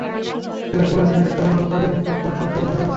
Clerk বলেছে, এটা প্রাগের একটা পোস্ট বক্সে পাঠানো হয়েছে।